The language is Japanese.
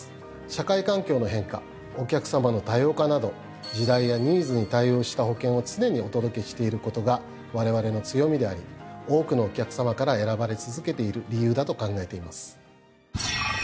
社会環境の変化お客さまの多様化など時代やニーズに対応した保険を常にお届けしていることがわれわれの強みであり多くのお客さまから選ばれて続けている理由だと考えています。